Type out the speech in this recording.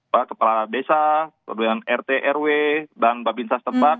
pak kepala desa kemudian rt rw dan pak bintas tempat